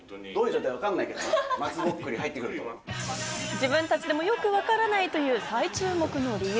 自分たちでもよくわからないという再注目の理由。